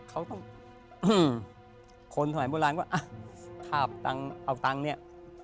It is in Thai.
เขาต้องคนสมัยโบราณก็อ่ะขาบตังค์เอาตังค์เนี่ย